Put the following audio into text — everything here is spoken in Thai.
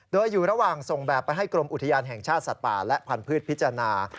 โดยอยู่ระหว่างส่งแบบไปให้กรมอุทยานแห่งชาติสัตว์ป่าและพันธุ์พิจารณา